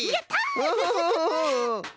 ウフフフフ。